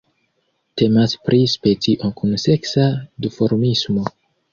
Temas pri specio kun seksa duformismo.